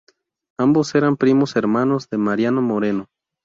Ambos eran primos hermanos de Mariano Moreno.